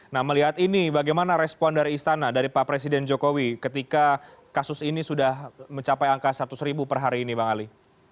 nah melihat ini bagaimana respon dari istana dari pak presiden jokowi ketika kasus ini sudah mencapai angka seratus ribu per hari ini bang ali